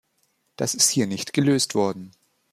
Das ist hier nicht gelöst worden.